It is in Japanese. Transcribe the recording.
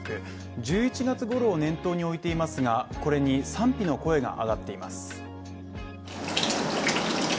１１月ごろを念頭に置いていますがこれに賛否の声が上がっています。